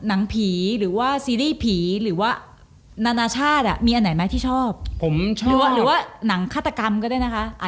อะใช่